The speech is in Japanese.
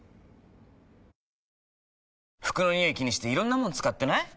服のニオイ気にしていろんなもの使ってない？